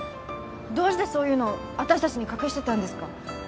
どうしてそういうの私たちに隠してたんですか？